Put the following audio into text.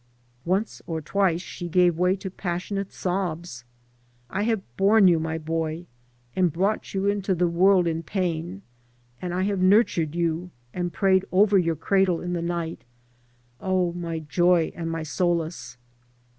Once or twice she gave way to passionate sobs: "I have borne you, my boy, and brought you into the world in pain, and I have nurtured you, and prayed over your cradle in the night, oh, my joy and my solace."